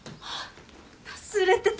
忘れてた。